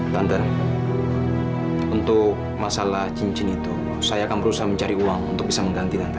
standar untuk masalah cincin itu saya akan berusaha mencari uang untuk bisa mengganti lantai